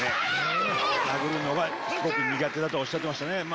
殴るのがすごく苦手だとおっしゃってましたね。